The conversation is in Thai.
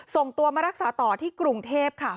ส่งตัวมารักษาต่อที่กรุงเทพค่ะ